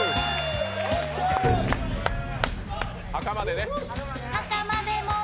墓までね。